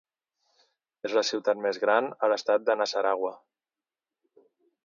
És la ciutat més gran a l'estat de Nasarawa.